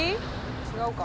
違うか。